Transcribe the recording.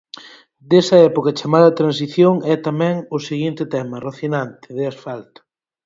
Desa época chamada transición, é tamén o seguinte tema, Rocinante, de Asfalto.